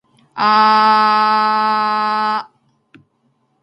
aaaaaaaaaaaaaaaaaaaaaaaaaaaaaaaaaaa